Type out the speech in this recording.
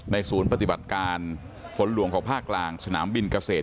ศูนย์ปฏิบัติการฝนหลวงของภาคกลางสนามบินเกษตร